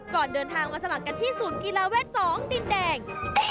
ก่อนเดินทางมาสมัครกันที่ศูนย์กีฬาเวท๒ดินแดง